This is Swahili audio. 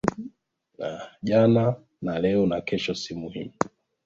Jana na leo na kesho si muhimu